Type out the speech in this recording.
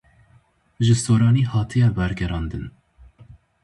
Ji soranî hatiye wergerandin.